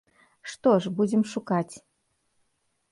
Што ж, будзем шукаць.